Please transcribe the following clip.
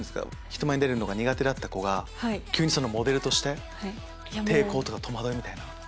人前に出るのが苦手だった子が急にモデルとして抵抗とか戸惑いみたいな。